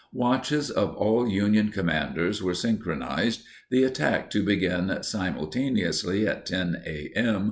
Watches of all Union commanders were synchronized, the attack to begin simultaneously at 10 a. m.